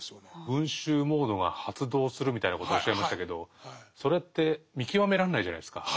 「群衆モードが発動する」みたいなことをおっしゃいましたけどそれって見極めらんないじゃないですか。